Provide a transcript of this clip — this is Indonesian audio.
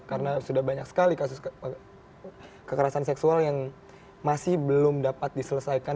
karena sudah banyak sekali kasus kekerasan seksual yang masih belum dapat diselesaikan